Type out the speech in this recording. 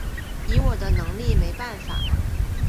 以我的能力没办法